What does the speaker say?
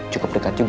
cukup dekat juga